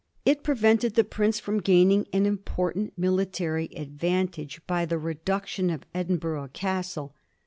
It prevented the prince from gaining an important military advantage by the reduction of Edinburgh Castle.